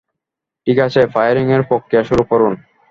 ঠিক আছে, ফায়ারিং এর প্রক্রিয়া শুরু করুন।